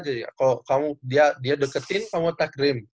jadi kalo kamu dia di deketin kamu attack rim